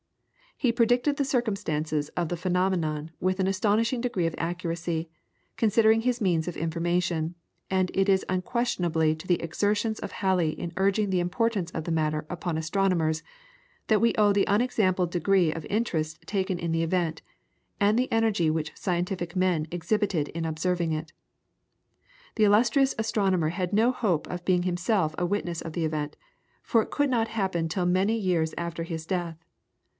He predicted the circumstances of the phenomenon with an astonishing degree of accuracy, considering his means of information, and it is unquestionably to the exertions of Halley in urging the importance of the matter upon astronomers that we owe the unexampled degree of interest taken in the event, and the energy which scientific men exhibited in observing it. The illustrious astronomer had no hope of being himself a witness of the event, for it could not happen till many years after his death.